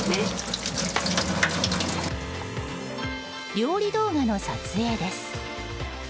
料理動画の撮影です。